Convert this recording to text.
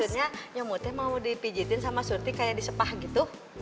maksudnya nyomutnya mau dipijitin sama surti kayak di sepah gitu